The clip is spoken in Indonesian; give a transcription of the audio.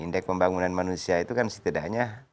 indeks pembangunan manusia itu kan setidaknya